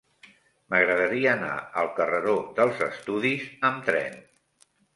M'agradaria anar al carreró dels Estudis amb tren.